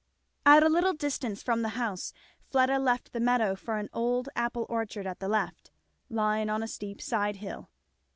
At a little distance from the house Fleda left the meadow for an old apple orchard at the left, lying on a steep side hill.